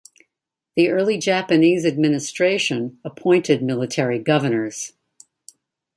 The early Japanese administration appointed military governors.